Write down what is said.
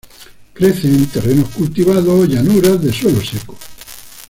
Crece en terrenos cultivados o llanuras de suelo seco.